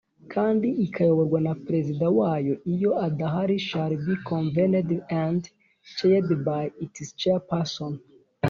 kandi ikayoborwa na Perezida wayo Iyo adahari shall be convened and chaired by its Chairperson